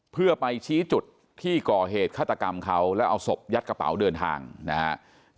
เพื่อไปชี้จุดที่ก่อเหตุฆาตกรรมเขาแล้วเอาศพยัดกระเป๋าเดินทางนะครับ